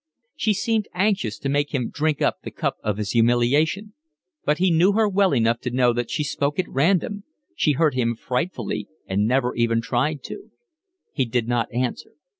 She seemed anxious to make him drink up the cup of his humiliation; but he knew her well enough to know that she spoke at random; she hurt him frightfully, and never even tried to. He did not answer.